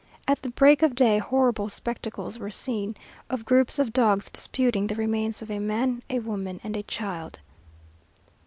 At the break of day horrible spectacles were seen, of groups of dogs disputing the remains of a man, a woman, and a child."